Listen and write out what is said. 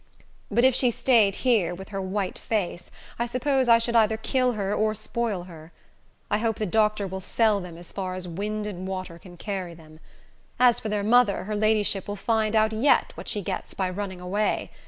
But if she staid here, with her white face, I suppose I should either kill her or spoil her. I hope the doctor will sell them as far as wind and water can carry them. As for their mother, her ladyship will find out yet what she gets by running away.